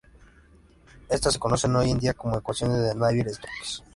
Estas se conocen hoy día como ecuaciones de Navier-Stokes.